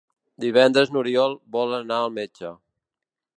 Divendres n'Oriol vol anar al metge.